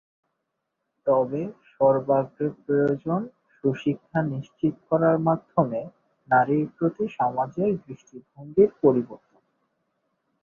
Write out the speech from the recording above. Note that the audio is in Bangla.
তবে সর্বাগ্রে প্রয়োজন সুশিক্ষা নিশ্চিত করার মাধ্যমে নারীর প্রতি সমাজের দৃষ্টিভঙ্গির পরিবর্তন।